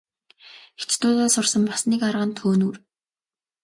Хятадуудаас сурсан бас нэг арга нь төөнүүр.